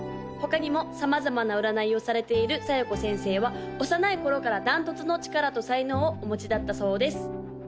他にも様々な占いをされている小夜子先生は幼い頃から断トツの力と才能をお持ちだったそうです